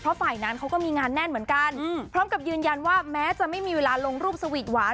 เพราะฝ่ายนั้นเขาก็มีงานแน่นเหมือนกันพร้อมกับยืนยันว่าแม้จะไม่มีเวลาลงรูปสวีทหวาน